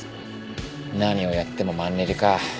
何をやってもマンネリか。